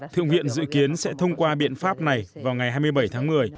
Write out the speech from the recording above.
thượng viện dự kiến sẽ thông qua biện pháp này vào ngày hai mươi bảy tháng một mươi